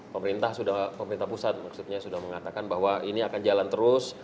pemerintah sudah pemerintah pusat maksudnya sudah mengatakan bahwa ini akan jalan terus